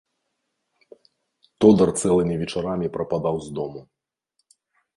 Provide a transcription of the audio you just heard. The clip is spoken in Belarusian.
Тодар цэлымі вечарамі прападаў з дому.